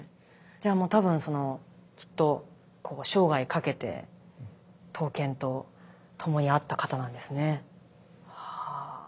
じゃあもうたぶんそのきっとこう生涯かけて刀剣とともにあった方なんですね。